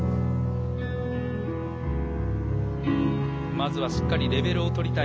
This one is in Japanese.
まずはしっかりレベルをとりたい